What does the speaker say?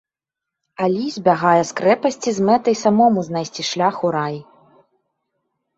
Алі збягае з крэпасці з мэтай самому знайсці шлях у рай.